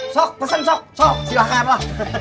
sok pesen sok sok silahkan lah